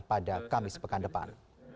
pada kamis pekan depan